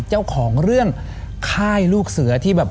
เจ้าของเรื่องค่ายลูกเสือที่แบบ